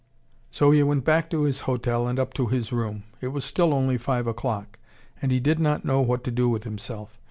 So he went back to his hotel and up to his room. It was still only five o'clock. And he did not know what to do with himself.